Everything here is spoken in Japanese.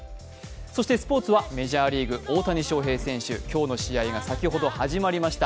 そしてスポーツは、メジャーリーグ大谷翔平選手、今日の試合が先ほど始まりました。